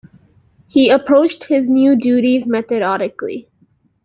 He approached his new duties methodically.